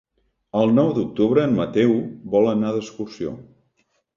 El nou d'octubre en Mateu vol anar d'excursió.